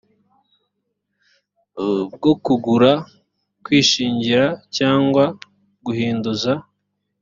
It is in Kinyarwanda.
bwo kugura kwishingira cyangwa guhinduza